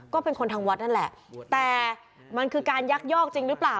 ก็เป็นคนทางวัดนั่นแหละแต่มันคือการยักยอกจริงหรือเปล่า